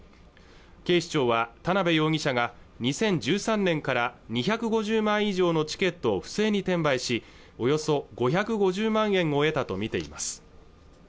警視庁は田辺容疑者が２０１３年から２５０枚以上のチケットを不正に転売しおよそ５５０万円を得たとみています